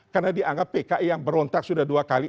karena dianggap pki yang berontak sudah dua kali